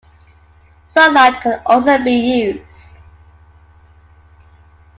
Sunlight can also be used.